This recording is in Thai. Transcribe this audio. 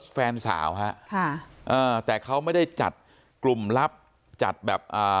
แฟนสาวฮะค่ะอ่าแต่เขาไม่ได้จัดกลุ่มลับจัดแบบอ่า